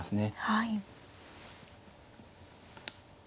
はい。